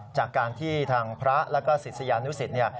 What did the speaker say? จากการที่ทางพระแล้วก็ศิษยานุสิต